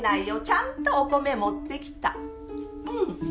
ちゃんとお米持ってきた。